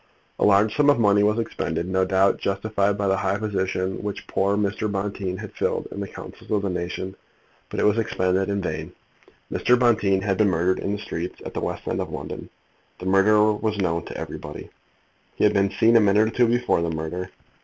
A large sum of money was expended, no doubt justified by the high position which poor Mr. Bonteen had filled in the counsels of the nation; but it was expended in vain. Mr. Bonteen had been murdered in the streets at the West End of London. The murderer was known to everybody. He had been seen a minute or two before the murder.